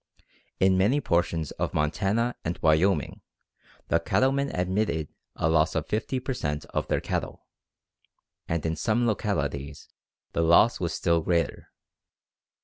In many portions of Montana and Wyoming the cattlemen admitted a loss of 50 per cent of their cattle, and in some localities the loss was still greater.